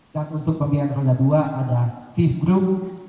dan untuk pembiayaan roda dua ada thief group